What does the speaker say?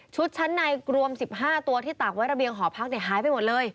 ชั้นในรวม๑๕ตัวที่ตากไว้ระเบียงหอพักหายไปหมดเลย